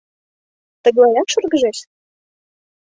Тыглаяк шыргыжеш?